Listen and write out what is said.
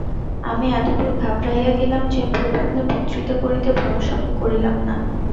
আমি এতদূর ঘাবড়াইয়া গেলাম যে, পূর্বাহ্নে বক্তৃতা করিতে ভরসা করিলাম না।